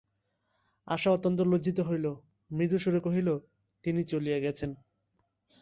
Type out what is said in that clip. আশা অত্যন্ত লজ্জিত হইল–মৃদুস্বরে কহিল, তিনি চলিয়া গেছেন।